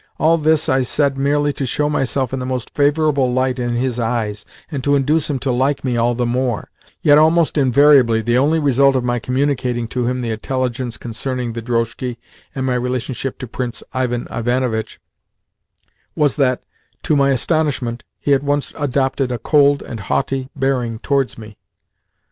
All this I said merely to show myself in the most favourable light in his eyes, and to induce him to like me all the more; yet almost invariably the only result of my communicating to him the intelligence concerning the drozhki and my relationship to Prince Ivan Ivanovitch was that, to my astonishment, he at once adopted a cold and haughty bearing towards me.